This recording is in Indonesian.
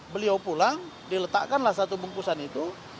beliau pulang diletakkanlah satu bungkusan itu